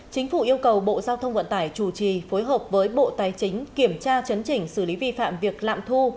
chính phủ yêu cầu bộ giao thông vận tải chủ trì phối hợp với bộ tài chính kiểm tra chấn chỉnh xử lý vi phạm việc lạm thu